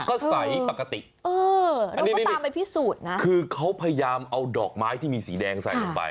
ก็ใสปกติเอออันนี้ไม่ตามไปพิสูจน์นะคือเขาพยายามเอาดอกไม้ที่มีสีแดงใส่ลงไป